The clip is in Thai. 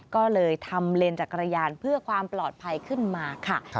ก็เลยทำเลนจักรยานเพื่อความปลอดภัยขึ้นมาค่ะ